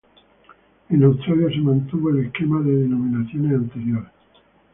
En Australia, se mantuvo el esquema de denominaciones anterior.